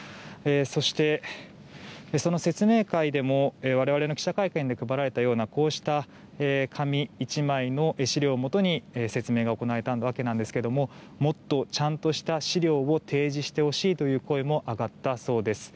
そして、その説明会でも我々の記者会見で配られたような紙１枚の資料をもとに説明が行われたわけですがもっとちゃんとした資料を提示してほしいという声も上がったそうです。